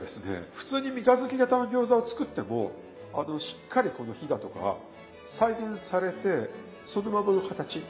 普通に三日月型の餃子を作ってもしっかりこのひだとか再現されてそのままの形。